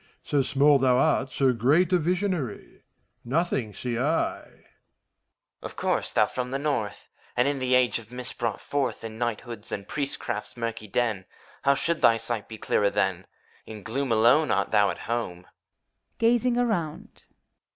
So small thou art, so great a visionary! Nothing see I! — HOMUNCULUS. Of course. Thou, from the North, ACT 11. 79 And in the age of mist brought forth, In knighthood's and in priestcraft's murky den, How should thy sight be clearer, then? In gloom alone art thou at home.